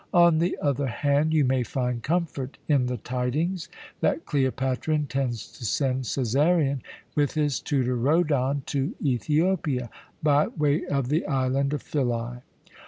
On the other hand, you may find comfort in the tidings that Cleopatra intends to send Cæsarion with his tutor Rhodon to Ethiopia, by way of the island of Philæ.